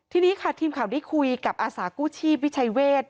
ทีนี้ค่ะทีมข่าวได้คุยกับอาสากู้ชีพวิชัยเวท